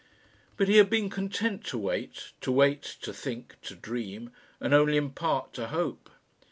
But he had been content to wait to wait, to think, to dream, and only in part to hope.